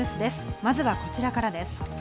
まずは、こちらからです。